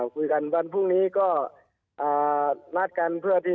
คุยกันวันพรุ่งนี้ก็นัดกันเพื่อที่